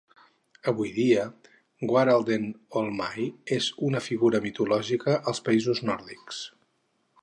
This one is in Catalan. Avui dia, Waralden Olmai és una figura mitològica als països nòrdics.